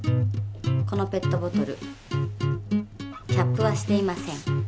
このペットボトルキャップはしていません。